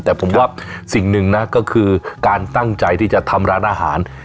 แต่ผมว่าสิ่งหนึ่งนะก็คือการตั้งใจที่จะทำร้านอาหาร